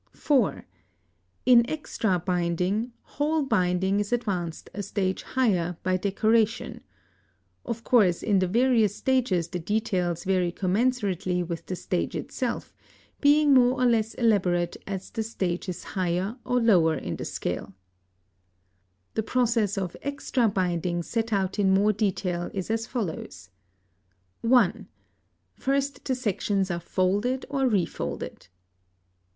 (4) In extra binding, whole binding is advanced a stage higher by decoration. Of course in the various stages the details vary commensurately with the stage itself, being more or less elaborate as the stage is higher or lower in the scale. The process of extra binding set out in more detail is as follows: (1) First the sections are folded or refolded.